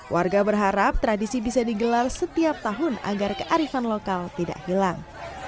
warga berharap tradisi bisa digelar setiap tahun agar kearifan lokal tidak hilang